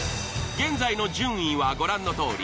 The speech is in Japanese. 現在の順位はご覧のとおり。